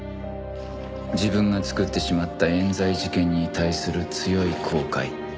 自分が作ってしまった冤罪事件に対する強い後悔